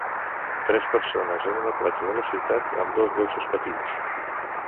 Tres persones en una platja de la ciutat amb dos gossos petits.